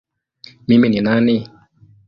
Mimi ni nani?